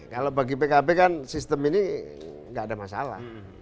kalau bagi pkb kan sistem ini nggak ada masalah